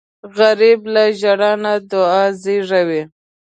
غریب له ژړا نه دعا زېږوي